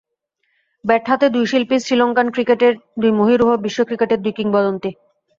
Bat হাতে দুই শিল্পী, শ্রীলঙ্কান ক্রিকেটের দুই মহিরুহ, বিশ্ব ক্রিকেটের দুই কিংবদন্তি।